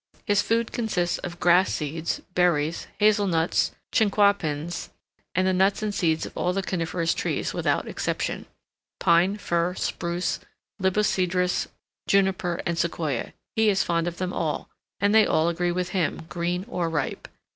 His food consists of grass seeds, berries, hazel nuts, chinquapins, and the nuts and seeds of all the coniferous trees without exception,—Pine, Fir, Spruce, Libocedrus, Juniper, and Sequoia,—he is fond of them all, and they all agree with him, green or ripe.